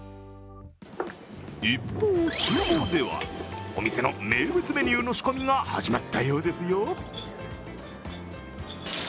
一方、ちゅう房では、お店の名物メニューの仕込みが始まったようですよ。